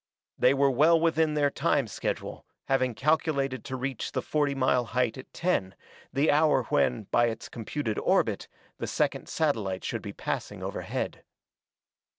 They were well within their time schedule, having calculated to reach the forty mile height at ten, the hour when, by its computed orbit, the second satellite should be passing overhead.